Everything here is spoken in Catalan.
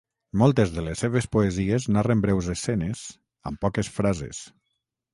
Moltes de les seves poesies narren breus escenes, amb poques frases.